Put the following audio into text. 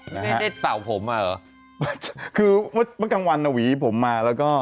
ไม่ได้แสดงสาวผมมาเหรอคือเมื่อกลางวันอาวีผมมาแล้วก็